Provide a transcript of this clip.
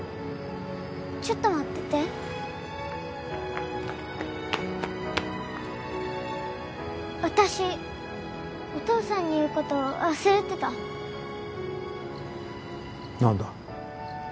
ちょっと待ってて私お父さんに言うこと忘れてた何だ？